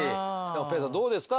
ぺえさんどうですか？